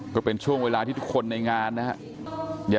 ก็เป็นช่วงเวลาที่ทุกคนในงานนะครับ